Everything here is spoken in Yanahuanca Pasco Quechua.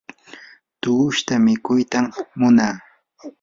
tuqushta mikuytam munaa.